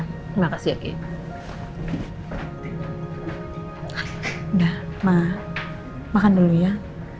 mungkin sekarang mama lagi kepikiran